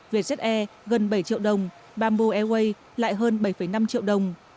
vietjet air gần bảy triệu đồng bamboo airways lại hơn bảy năm triệu đồng